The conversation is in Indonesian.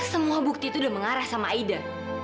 semua bukti itu udah mengarah sama aida